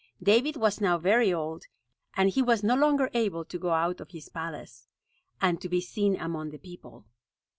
David was now very old; and he was no longer able to go out of his palace, and to be seen among the people.